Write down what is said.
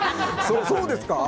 そうですか？